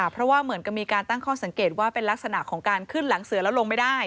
เพราะว่าเหมือนกับมีการตั้งข้อสังเกตว่าเป็นลักษณะของการขึ้นหลังเสือแล้วลงไม่ได้